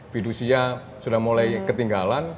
fiducia sudah mulai ketinggalan